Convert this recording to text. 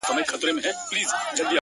بيا خپه يم مرور دي اموخته کړم؛